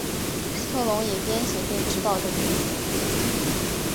史特龙也编写并执导这部影片。